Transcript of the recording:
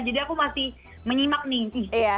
jadi aku masih menyimak nih